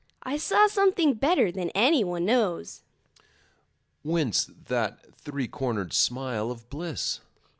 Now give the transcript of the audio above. I saw something better than any one knows. Whence that three cornered smile of bliss?